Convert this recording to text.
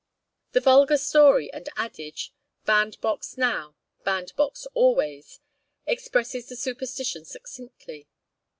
The vulgar story and adage, 'Bandbox now, bandbox always,' expresses the superstition succinctly.